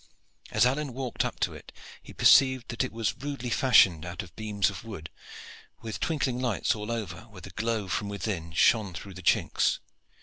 As Alleyne walked up to it he perceived that it was rudely fashioned out of beams of wood, with twinkling lights all over where the glow from within shone through the chinks.